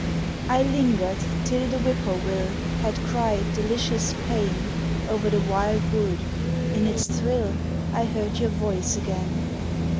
I lingered till the whippoorwill Had cried delicious pain Over the wild wood in its thrill I heard your voice again.